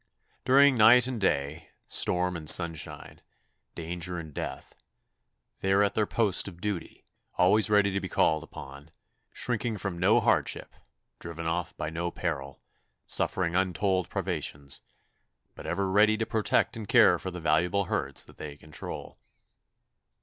During night and day, storm and sunshine, danger and death, they are at their post of duty, always ready to be called upon, shrinking from no hardship, driven off by no peril, suffering untold privations, but ever ready to protect and care for the valuable herds that they control.